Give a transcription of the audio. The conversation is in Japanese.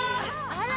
あら！